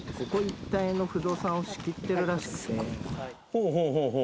ほうほうほうほう。